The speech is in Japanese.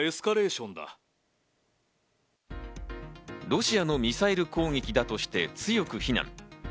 ロシアのミサイル攻撃だとして強く非難。